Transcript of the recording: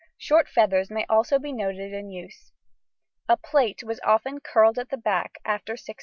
Short feathers may also be noted in use. A plait was often coiled at the back after 1630.